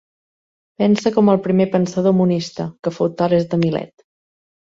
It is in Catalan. Pense com el primer pensador monista, que fou Tales de Milet.